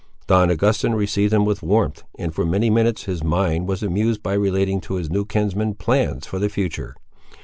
Don Augustin received him with warmth, and for many minutes his mind was amused by relating to his new kinsman plans for the future.